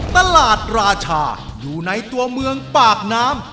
ตลาดราชาอยู่ในตัวเมืองปากน้ำ